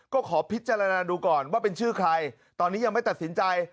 ก็ขอพิจารณาดูก่อนว่าเป็นชื่อใครตอนนี้ยังไม่ตัดสินใจ